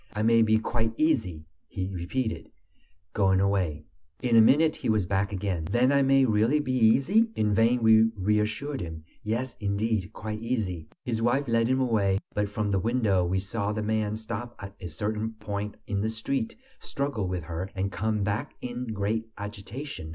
"I may be quite easy!" he repeated, going away. In a minute he was back again. "Then I may really be easy?" In vain we reassured him. "Yes, indeed, quite easy." His wife led him away, but from the window we saw the man stop at a certain point in the street, struggle with her, and come back in great agitation.